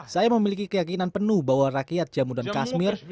saya memiliki keyakinan penuh bahwa rakyat jammu dan kashmir